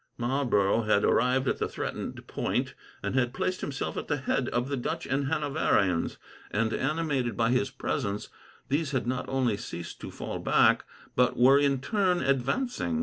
Marlborough had arrived at the threatened point, and had placed himself at the head of the Dutch and Hanoverians, and, animated by his presence, these had not only ceased to fall back, but were in turn advancing.